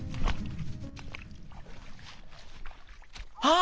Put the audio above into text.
・あ！